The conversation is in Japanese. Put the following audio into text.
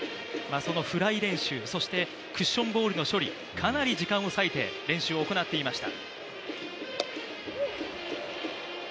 そのフライ練習、クッションボールの処理、かなり時間を割いて練習を行っていました。